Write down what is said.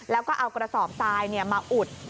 แล้วก็เอากระสอบทรายมาอุด